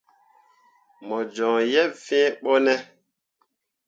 Mo joŋ yeb fee ɓone ?